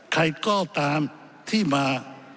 ใครก็ตามที่มา